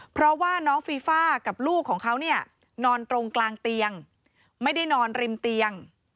เพราะว่าน้องฟีฟ่ากับลูกของเขาเนี่ยนอนตรงกลางเตียงไม่ได้นอนริมเตียง